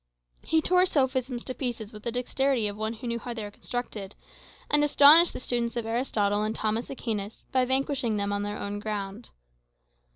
He tore sophisms to pieces with the dexterity of one who knew how they were constructed, and astonished the students of Aristotle and Thomas Aquinas by vanquishing them on their own ground.